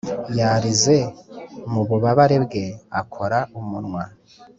yarize mububabare bwe, akora umunwa,